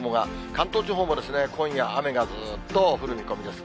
関東地方も今夜雨がずーっと降る見込みです。